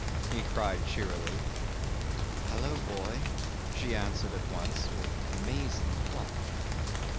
he cried cheerily. "Hallo, boy!" she answered at once, with amazing pluck.